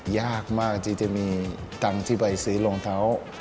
ยากมากที่จะมีตังค์ที่ไปซื้อรองเท้า